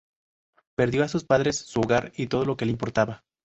Perdió a sus padres, su hogar y todo lo que le importaba.